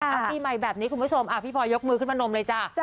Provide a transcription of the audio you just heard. เอาปีใหม่แบบนี้คุณผู้ชมพี่พลอยยกมือขึ้นมานมเลยจ้ะ